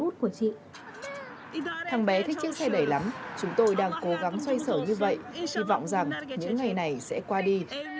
thằng bé thích chiếc xe đẩy lắm chúng tôi đang cố gắng xoay sở như vậy hy vọng rằng những ngày này sẽ qua đi